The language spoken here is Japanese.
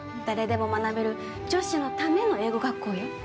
誰でも学べる女子のための英語学校よ。